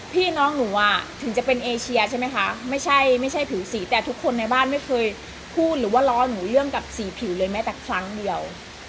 พี่น้องหนูอ่ะถึงจะเป็นเอเชียใช่ไหมคะไม่ใช่ไม่ใช่ผิวสีแต่ทุกคนในบ้านไม่เคยพูดหรือว่าล้อหนูเรื่องกับสีผิวเลยแม้แต่ครั้งเดียว